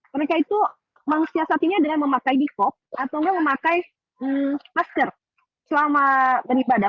mereka itu mengaksiasatinya dengan memakai bikop atau memakai masker selama beribadah